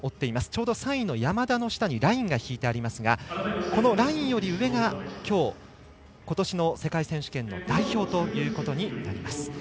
ちょうど３位の山田の下にラインが引いてありますがこのラインより上がきょう、ことしの世界選手権の代表ということになります。